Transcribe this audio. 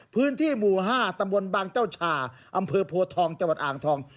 พื้นที่หมู่๕ตำบลบางเจ้าชาอำเภอโพทองจังหวัดอ่างทอง